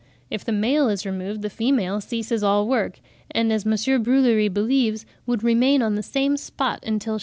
If the male is removed the female ceases all work, and as M. Brulerie believes, would remain on the same spot until she died.